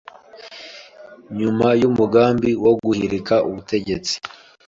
Nyuma y’umugambi wo guhirika ubutegetsi